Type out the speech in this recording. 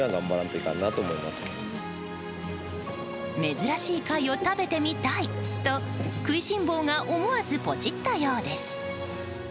珍しい貝を食べてみたいと食いしん坊が思わずポチったようです。